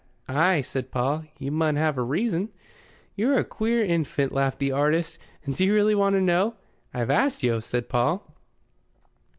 "Ay," said Paul. "You mun have a reason." "You're a queer infant," laughed the artist. "Do you really want to know?" "I've asked yo'," said Paul.